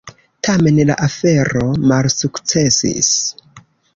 Tamen la afero malsukcesis.